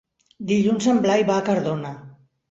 Dilluns en Blai va a Cardona.